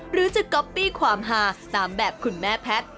หรือจะก๊อปปี้ความฮาตามแบบคุณแม่แพทย์